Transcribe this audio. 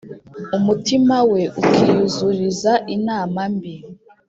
Umutimawe ukiyuzuriza inama mbi